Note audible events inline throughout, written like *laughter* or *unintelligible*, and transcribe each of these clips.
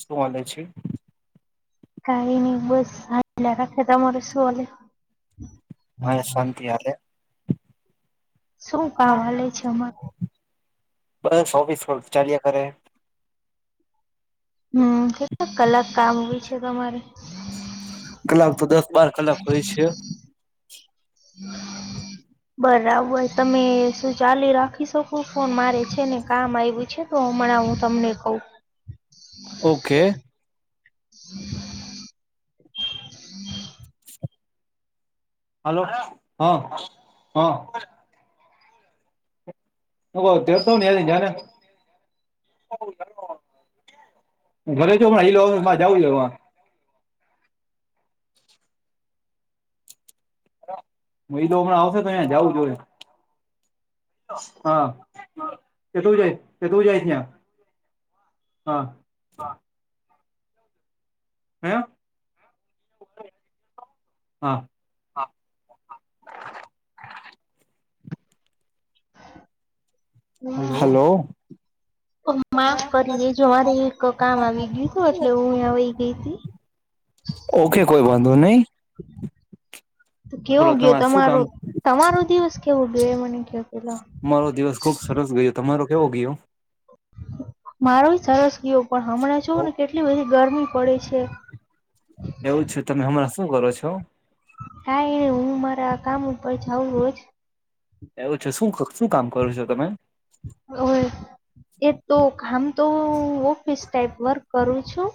શું વાલે છે ક ન બસ હ લખ ખેતા મરે શુંવાલે મને શાંતિ હલે શું કવાલે છે અમારું બસ ઓોીસ ચાલ્યા કરે *inaudible* કલાક કામ હોય છે તમારે *inaudible* કલાક તો દસ બાર કલાક હોય છે બરાબર તમે શું ચાલી રાખી શકો ફોન મારે છે ને કામ આવ્યું છે તોમણા હું તમને કઉ ઓકે *inaudible* *inaudible* હાલો હા હા હું ગ્યો તો ને એની ઘરે. હું ઘરે ગ્યો પણ ઈ લોકોને *unintelligible* ઈ તો હમણા આવશે તયા જાવુ જોહે. હા, કે તું જાય, કે તું જાય યા. હા. હેં? હા, હા. હમ હલો. માફ કરી દેજો મારે એક કામ આવી ગયું તું એટલે હું યા વઈ ગઈ તી. ઓકે, કોઈ વાંધો નઈ. તો કેવો બોલો ગ્યો તમારે શું તમારો, કામ તમારો દિવસ કેવો ગ્યો એ મને કયો પેલા. મારો દિવસ ખુબ સરસ ગયો તમારો કેવો ગયો મારોય સરસ ગ્યો પણ હમણાં જો ને કેટલી બધી ગરમી પડે છે. એવું છે તમે હમણાં શું કરો છો હા એ હું મારા કામ ઉપરથી આઉં રોજ. એવું છે શું શું કામ કરો છો તમે ઓવે એ તો કામ તો હું ઓફિસ ટાઈપ વર્ક કરું છું.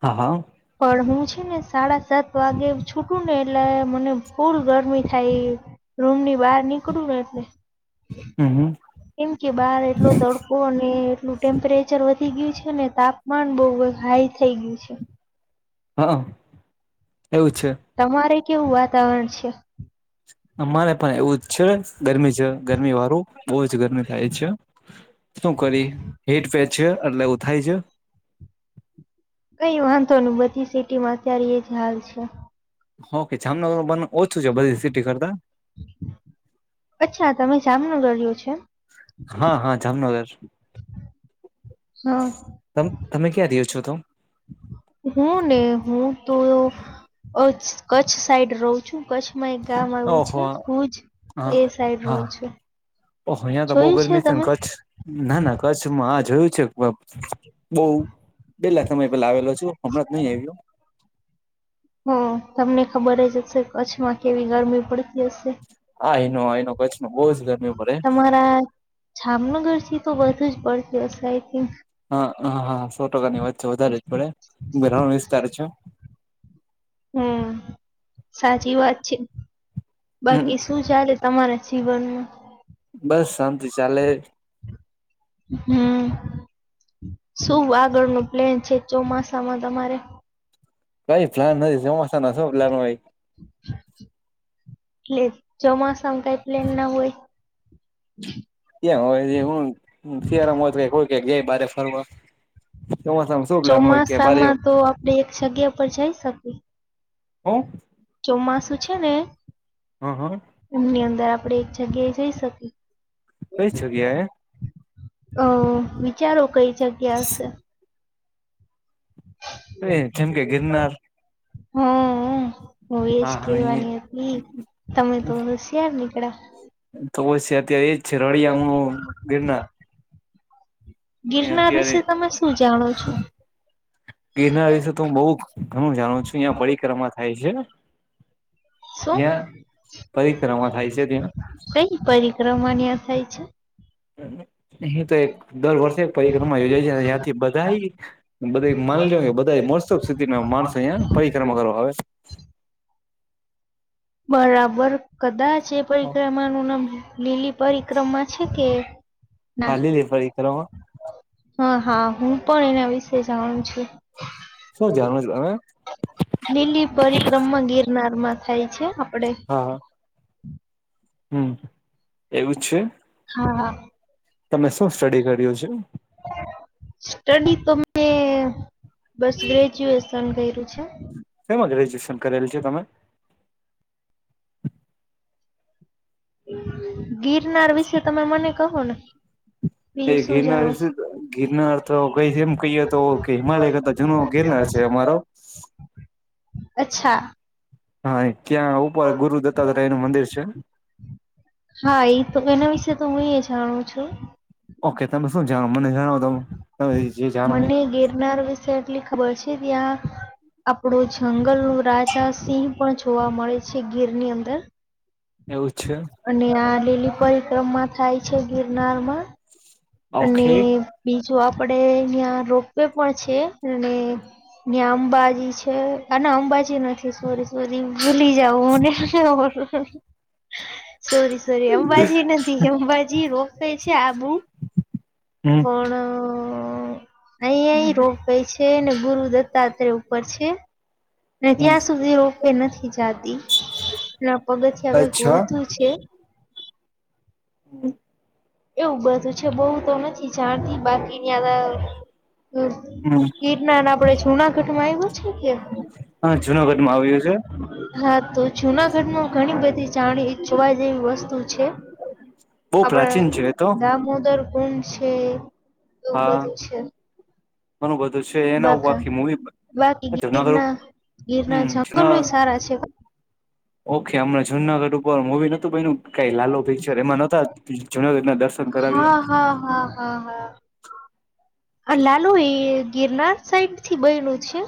હા, હા. પણ હું છે ને સાડા સાત વાગે છૂટું ને એટલે મને ફૂલ ગરમી થાય. રૂમની બહાર નીકળું ને એટલે. હમ હમ કેમ કે બહાર એટલો તડકો અને એટલું ટેમ્પરેચર વધી ગયું છે ને તાપમાન બવ હાઈ થઈ ગયું છે. હન્ન. તમા મારે કેવું વાતાવરણ છે? અમારે પણ એવું જ છે. ગરમી છે ગરમી વારૂ. બઉં જ ગરમી થાય છે. શું કરી? હીટ પેચ છે એટલે એવું થાય છ. કઈ વાંધો ન બધી સિટી માં અત્યારે એજ હાલ છે. ઓકે જામનગર નું પણ ઓછું છે બધી સિટી કરતા. અચ્છા તમે જામનગર રહ્યો છો. એમ? હા, હા જામનગર. હા, તમે ક્યાં રહ્યો છો તો *inaudible* હું ને હું તો અચ્છ કચ્છ સાઈડ ર રવ છું. કચ્છમાં એક ગામ આયવું છે ઓહો ભુજ એ સાઈડ રઉ છું. ઓહો યા તો બહુ જોયું ગરમી છે ને. તમે કચ્છ ના ના કચ્છમાં આ જોયું છે બઉ પેલા સમય પેલા આવેલો છું હમણાંથી નહી આયવો. હન. તમને ખબર જ હશે કચ્છમાં કેવી ગરમી પડતી હશે. હા એનો એનો કચ્છમાં બહુ જ ગરમી પડે *inaudible* તમારા જામનગરથી તો વધું જ પડતી હશે આઈ થિન્ક. હા હા હા. સો ટકાની વાત છે. વધારે જ પડે રણ વિસ્તાર છે. હમ! સાચી વાત છે. હમ બાકી શું ચાલે? તમારા જીવનમાં બસ શાંતિ ચાલે. હમ. શું આગળ નો પ્લેન છે.? ચોમાસામાં તમારે કઈ પ્લાન નથી. ચોમાસા નો સુ પ્લાન હોય? એટલે ચોમાસા *inaudible* કાય પ્લેન ના હોય.? એ હોય છે હું.? શિયાળામાં હોય તો કઈક હોય કે જાય બારે ફરવા ચોમાસામાં શું *inaudible* પ્લાન હોય કે બારે ચોમાસામાં તો આપડે એક જગ્યા પર જઈ શકીએ. ક. *inaudible* હું? ચોમાસું. છે ને, હા હા એમની અંદર આપ આપણે, એક જગ્યાએ જઈ શકીએ. કઈ જગ્યા એ.? અઅ વિચારો કઈ જગ્યા હશે.? એ જેમ કે, ગિરનાર. હાઅ હુંઅ હું એ જ હા હા એ કેવાની હતી, તમે તો હોસયાર તો પછી અત્યારે એજ છે રળિયામણું નીકળ્યા. ગિરનાર *inaudible* એ ગિરનાર અત્યારે વિશે તમે શું જાણો છો ગિરનાર વિશે તો બહુ ઘણું જાણું છું. અંયા પરિક્રમા થાય છે. શું? ત્યાં પરિક્રમા થાય છે ત્યાં *inaudible* કઈ પરિક્રમ.? અમારન્યા થાય છે. *inaudible* એ તો એક દર વર્ષે પરિક્રમા યોજાય છે. ન્યાંથી બધાય બધા મા *inaudible* નીજ કે બધા મોસ્ત સ્થિતિના માણસો અં પરિક્રમા કરવા આવે. બરાબર કદાચ જે પરિક્રમાનું નામ લીલી પરિક્રમા છે કે? ના હા લીલી પરિક્રમા હા! હા! હું પણ, એના વિશે જાણું છું. શું જાણવું છે તમે *inaudible* લીલી પરિક્રમમાં ગીરનારમાં. થાય છે.? આપપડે. હા હા હમ *inaudible* જ છે હા હા *inaudible* તમે શું સ્ટડી કર્યું છે. સ્ટડી તો મેને બસ ગ્રેજ્યુએશન કર્યું છે. તેમાં ગ્રેજ્યુએશન કરેલું છ તમે. હમ *inaudible* ગિરનાર વિશે તમે મને કહો ને. એ બીજું શું ગિરનાર જાણો વિ છો ગિરનાર તો કઈ એમ કહીએ તો કે હિમાલય કરતા જૂનો ગિરનાર છે અમારો. અચ્છા. હા *inaudible* ત્યાં ઉપર ગુરુ દત્તાત્રય નું મંદિર છે. હા એ તો એના વિશેે તો હું એ જાણું છું. ઓકે તમે શું જાણો. મને જણાવો તમે તમે જે જાણો એ મને ગિરનાર વિશે એટલી ખબર છે. ત્યાં આપડો જંગલનો રાજા સિંહ પણ જોવા મળે છે, ગીરની અંદર. એવું જ છે. અને આ લીલી પરિક્રમામાં થાય છે ગિરનારમાં. અને ઓકે બીજ તો આપડે અઈયાં રોપ વે પણ છે અને ન્યાં આમ બાજી છે અને અંબાજી જી નથી, સોરી, સોરી, ભૂલી જાવ મને *inaudible* સોરી, સોરી, અંબાજી નથી, કેમ અંબાજી રોકાય છે આબુ હમ *unintelligible* અઈએ રોપે છે ને ગુરુ દત્તાત્રે ઉ ઉપર છે ને ત્યાં સુધી ઉં કંઈ નથી જાતી, એના અચ્છા પગથિયા *unintelligible* છે. *inaudible* એવું બધું છે બઉ તો નથી જાણતી બાકી ન્યાં હમ *unintelligible* કીટનાર આપણે જુનાગઢમાં આયવુ છે કે હા જુનાગઢમાં આવ્યું છે હાં, તો જુનાગઢમાં ઘણી બધી જાણી જોવા જેવી વસ્તુ છે, બહુ આપડા પ્રાચીન છે એ તો દામોદર પણ છે. એવું હા, બધું છે ઘણું બધું છે એના ઉપર બાકા આખી મૂવી બાકી બની. જુનાગઢ ગીરના ગીરના હમ જૂના. જંગલોય સારા છે ઓકે હમણાં જુનાગઢ ઉપર મૂવી નતું બન્યું કાંઈ લાલો પિક્ચર એમાં નતા જૂનાગઢના દર્શ હા હા હા હા. હા, હા. આ લાલો ઈ એ ગિરનાર સાઈડથી બયનું છે?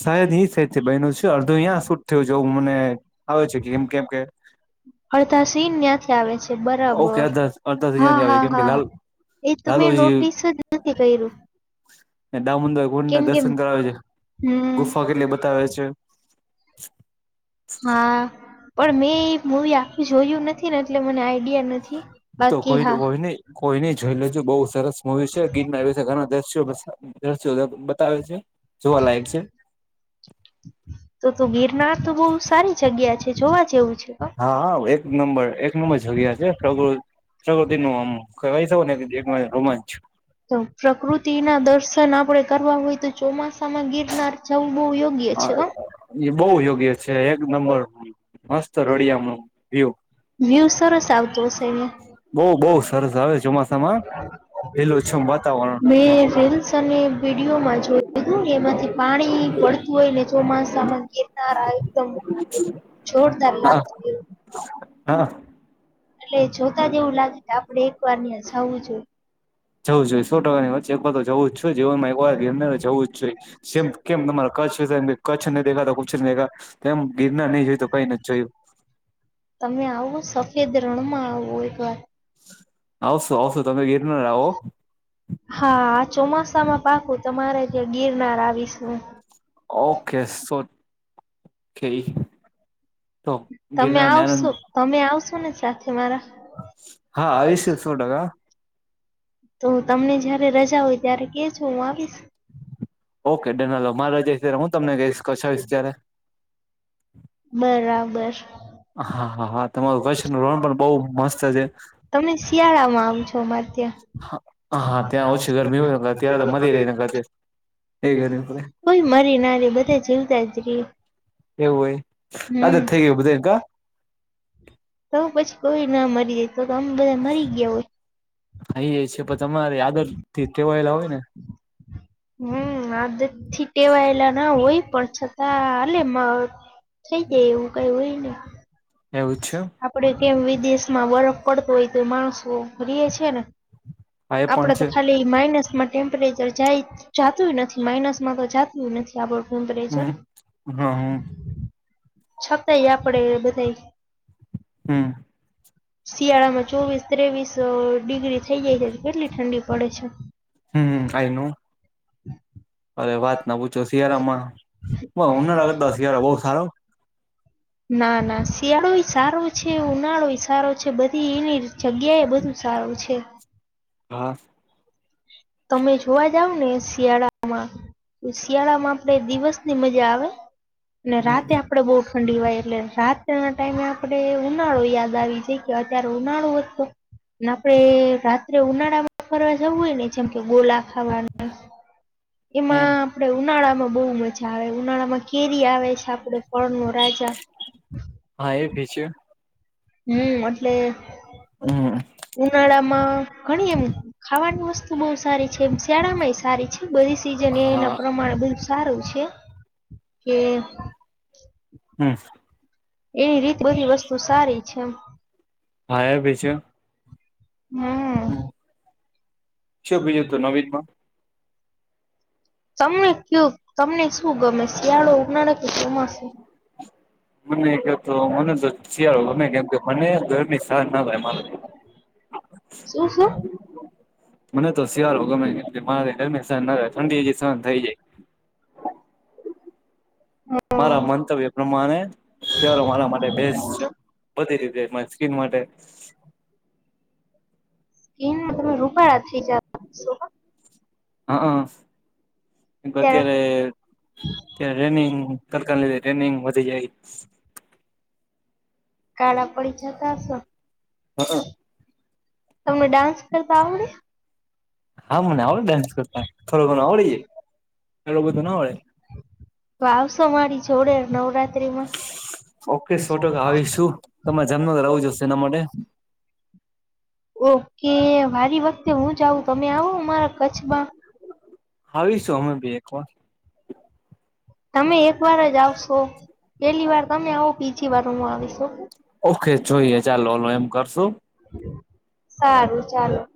સાઈદ ઈ સાઈડથી બયનું છે. અડધુ યા શૂટ થયું છે એવું મને આવે છે કે કેમ કે અડધા સીન ન્યાંથી આવે છે. ઓકે અડધા બરાબર. અડધા થી હા ત્યાંથી આવે હા કેમ કે હા. લાલ એ તો મેં લાલોજી નોટિસ જ નથી કરયું. દામોદર કુંડ ના કેમ કે દર્શન કરાવે છે ગુફા કેટલી બતાવે છે. *inaudible* હા. પણ મેં એ મૂવી આખુ જોયું નથી ને એટલે મને આઈડિયા નથી. તો બાકી કોઈ ન હા કોઈ નઈ કોઈ નઈ જોઈ લેજો બઉ સરસ મુવી છે. ગીરના વિશે ઘણા દ્રશ્યો બસાવે દ્રશ્યો બ બતાવે છે, જોવા લાયક છે. તો તું ગિર નાર તો બોવ સારી જગ્યા છે. જોવા જેવું છે, કાં? હા હા એક નંબર એક નંબર જગ્યા છે પ્રકૃ પ્રકૃતિ નું આમ કહેવાય શકો ને એક રોમાંચ *inaudible* તો પ્રકૃતિ ના દર્શ ન આપણે કરવા હોય તો ચોમાસામાં ગિરનાર જાવુ બોવ યો યોગ્ય છે હા કાં? બોવ યોગ્ય છે. એક નંબર મસ્ત રળિયામણું વ્યુ. વ્યું સરસ આવતો હશે. બોવ બહુ બોવ બહુ સરસ આવે ચોમાસામાં ચોમાસામાં. લીલુંછમ વાતાવરણ. મેં રીલ્સ અને વિડીયોમાં જોયું તું. એમાંથી પાણી પડતું કોઈને જ ચોમાસામાં ગીરનાર આ એકદમ જોરદાર લાગતું એવું હન *inaudible* એટલે જોતા જ એવું લાગે કે આપડે વાર યાં જાઉં જોએ. જવું જોઈએ સો ટકાની વાત. એક વાર તો જવું જ છે હો જીવનમાં એક વાર ગિરનારે જવું જ છે. સેમ કેમ તમારા કચ્છ વિશે એમ કે કચ્છ નહીં દેખા તો કુછ નહીં દેખા તેમ ગિરનાર નઈ જોયું તો કઈ નથ જોયું. વવું હોય તો *inaudible* આવશું આવશું તમે ગિરનાર ય આવો. હા આ ચોમાસામાં પાકું તમારે ત્યાં ગિરનાર આવીશું. Okay so. કે તો તમે ગિરનાર ને આનંદ આવશો તમે આવશો ને સાથે હા મારા. આવીશ સો ટકા તો, તમને જયારે રજા હોય ત્યારે કે જો? હું આવીશ. ઓકે ડનલો મારે જઈશ, ત્યારે, હું, તમને કહીશ ચાલો ત્યારે. બરાબર *inaudible* હા હા હા *inaudible* કચ્છનું રણ પણ બહુ મસ્ત છે. તમે, શિયાળા માં આવજો?, અમારે હા ત્યાં ઓછી ગરમી હોય અત્યારે તો ત્યાં મરી રહી અત્યારે એ ગરમી પડે કો મરી ના જાય બધા જીવતા. *inaudible* એવું હોય આજ જ થઈ હમ. ગયું? બધા. તો પછી કોઈ ના મરી એ જ. અય એ છે પણ તમારે આદત થી ટેવા યેલા હોય ને.? હમ આ. થી ટેવાયેલા ના હોય? પણ. છતાં આલેમાં. થઈ જાય એવું કઈ હોય. ને એવું જ છે *inaudible* આપડે કેમ. દેશમાં બરફ પડતો હોય તો માણસ *inaudible* રય છે ને હા એ પણ આપડે છે તો ખાલી માઇનસ માટે. ટેમ્પરેચર જાય જાતું નથી. માઇનસ માં તો જાતું નથી આપડ. ટેમપરેચ હમ હમ *inaudible* છતાય આપડે બધાય હમ્મ. શિયાળા માં ચોવીસ ત્રેવીસ ડિગ્રી થઈ જાય છે તો કેટલી ઠંડી પડે છે. હમ્મ આઈનો અરે વાત ના પૂછો શિયાળામાં *unintelligible* ઉનાળા કરતાં શિયાળો બોવ સારો ના ના શિયાળો ઈ સારો છે ઉનાળો ઈ સા રો છે બધી એની જગ્યા એ બધું સારું છે. હા. તમે જોવા જાવ ને શિયાળામાં શિયાળામાં આપણેે દિવસની મજા આવે અને હમ રાતે આપડે બો ઠંડી વાય એટલે રાત ના ટાઈમે આપે ઉનાળો યાદ આવી જાય કે અત્યારે ઉનાળોતો અને આપણે રાત્રે ઉનાળામાં ફરવા જવું હોય ને જેમ કે ગોલા ખાવાના હમ એમાં આપડે ઉનાળા બો મજા આવે ઉનાળામાં કેરી આવે છાપ ફળ નો રાજ હા એ ભી છે હમ્મ અટલે હમ ઉનાળામાં ઘણી એમ ખાવાની વસ્તુ બવ તારી શિયાળામાં એ સારી છે બધી સીઝન એ એના હા પ્રમાણે બ સારું છે કે હમ્મ એ રીત બધી વસ્તુ સારી છા હા એ ભી છે. હમ્મ. હમ્મ. શું બીજું હતું નવીનમાં? તમને કયુ તમને શું ગમે શિયાળો ઉનાળ કે ચોમાસુ મને ક્યો તો મને તો શિયાળો ગમે કેમ કે મને દ હા ના ભાઈ શું શું *unintelligible* મને તો શિયાળો ગમે કેમકે મારે હેને ઠંડી હજી સહન થઈ જાય. મારા મંતવ્ય પ્રમાણે સલો મારા માટે બેસ્ટ છે. બધી રીતે સ્કીન માટે. *inaudible* તન મતલબ રૂપ. શીજ *inaudible* હા હા *inaudible* અત્યારે, ત્યારે ટ્રેનિંગ લીધે ટ્રેનિંગ વધી જાય. કાળા પડી જતા હશો ને? હા *inaudible* તમને ડાન્સ કરતા આવડે? હા, મને આવડે ડાન્સ કરતા થોડો, ઘણો આવડી જાય. બધો, ના આવડે તો આવશો મારી જોડે નવરાત્રીમાં ઓકે સો ટકા આવીશું. તમારે જન્મ તો આવું જશે એના માટે. ઓકે, વારી વખતે હું, જાઉં તમે આવો અ મામારા કચ્છમાં. આવીશું? અમે બી એક વાર. તમે, એક વાર જ આવશો, પેલી વાર તમે આવો બીજી વાર હું આવીશું. ઓકે જોઈએ ચાલો હલો એમ કરશુ.? સારું ચાલો *inaudible*